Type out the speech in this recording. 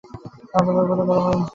ভদ্রলোক উঠে দাঁড়িয়ে বললেন, জ্বি।